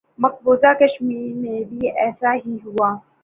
مقبوضہ کشمیر میں بھی ایسا ہی ہوا۔